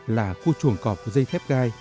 là khu trường cọp của gia đình